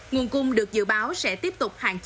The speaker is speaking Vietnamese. nguồn cung được dự báo sẽ tiếp tục hạn chế